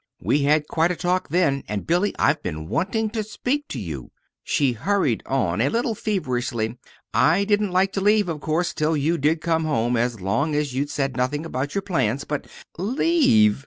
We had quite a talk, then; and, Billy, I've been wanting to speak to you," she hurried on, a little feverishly. "I didn't like to leave, of course, till you did come home, as long as you'd said nothing about your plans; but " "Leave!"